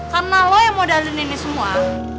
karena lo yang mau daliin ini semua